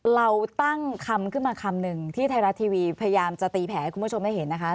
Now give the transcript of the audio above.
เราตั้งคำขึ้นมาคำหนึ่งที่ไทยรัฐทีวีพยายามจะตีแผลให้คุณผู้ชมให้เห็นนะคะ